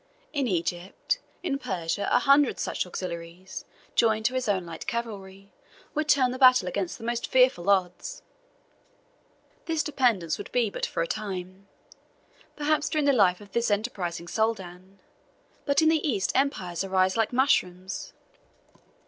In Egypt, in Persia, a hundred such auxiliaries, joined to his own light cavalry, would turn the battle against the most fearful odds. This dependence would be but for a time perhaps during the life of this enterprising Soldan; but in the East empires arise like mushrooms.